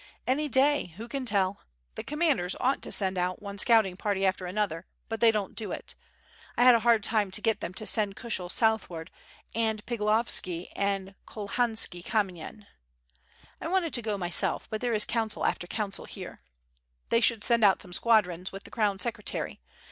"Any day, who can tell. The commanders ought to send out one scouting party after another, but they don't do it. I had a hard time to get them to send Kushel southward, and Piglovski to Cholhanski Kamyen. 1 wanted to go my self, but there is council after council here. ... They should send out some squadrons with the crown secretary.